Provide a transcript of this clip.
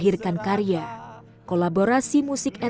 siapkan karya atau lingkungan